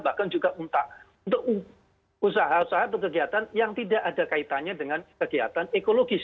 bahkan juga untuk usaha usaha atau kegiatan yang tidak ada kaitannya dengan kegiatan ekologis